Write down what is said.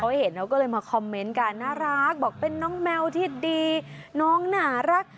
เขาเห็นเราก็เลยมาคอมเมนต์กันน่ารักบอกเป็นน้องแมวที่ดีน้องน่ารัก